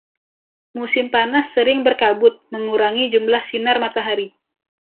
Musim panas sering berkabut, mengurangi jumlah sinar matahari.